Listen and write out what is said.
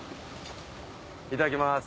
いただきます。